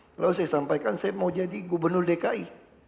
kalau saya sampaikan saya mau jadi gubernur dki